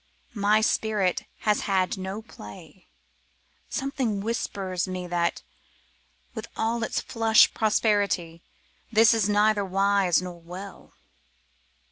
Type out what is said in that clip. My spirit has had no play. Something whispers me that, with all its flush prosperity, this is neither wise nor well.